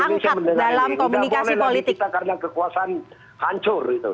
dan saya ingin berkata rakyat indonesia mendengar ini tidak boleh lagi kita karena kekuasaan hancur